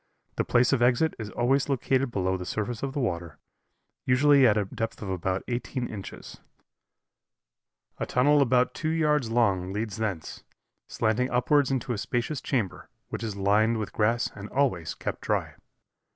"The place of exit is always located below the surface of the water, usually at a depth of about eighteen inches; a tunnel about two yards long leads thence, slanting upwards into a spacious chamber, which is lined with grass and always kept dry.